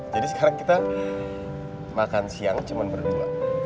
jadi sekarang kita makan siang cuman berdua